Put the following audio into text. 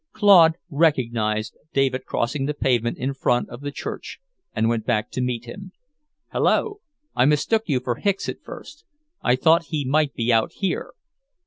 Claude recognized David crossing the pavement in front of the church, and went back to meet him. "Hello! I mistook you for Hicks at first. I thought he might be out here."